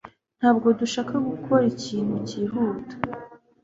Ntabwo dushaka gukora ikintu cyihuta